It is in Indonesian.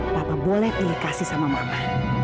papa boleh pilih kasih sama mata